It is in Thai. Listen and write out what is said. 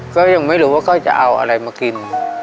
ก็ยังไม่รู้ว่าก้อยจะเอาอะไรมากิน